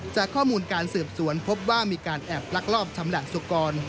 จากข้อมูลการสืบสวนพบว่ามีการแอบลักลอบชำแหละสุกร